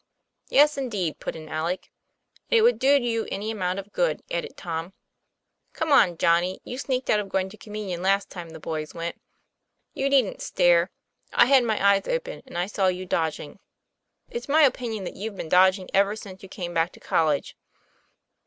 'Yes, indeed," put in Alec. " And it would do you any amount of good," added Tom. " Come on, Johnnie ; you sneaked out of going to communion last time the boys went. You needn't stare; I had my eyes open, and I saw you dodging. It's my opinion that you've been dodg ing ever since you came back to college."